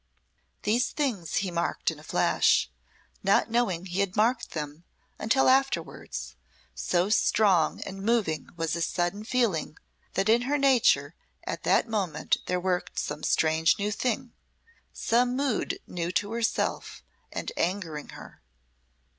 These things he marked in a flash, not knowing he had marked them until afterwards, so strong and moving was his sudden feeling that in her nature at that moment there worked some strange new thing some mood new to herself and angering her.